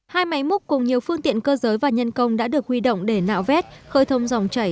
hai máy múc cùng nhiều phương tiện cơ giới và nhân công đã được huy động để nạo vét khơi thông dòng chảy